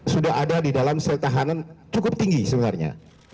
sudah ada di dalam sel tahanan cukup tinggi sebenarnya